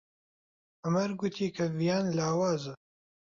عومەر گوتی کە ڤیان لاوازە.